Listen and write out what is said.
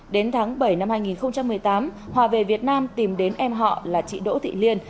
đến tháng bảy năm hai nghìn một mươi tám hòa về việt nam tìm đến em họ là chị đỗ thị liên